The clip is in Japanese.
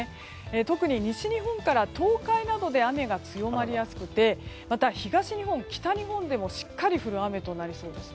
特に西日本から東海などで雨が強まりやすくてまた東日本、北日本でもしっかり降る雨となりそうです。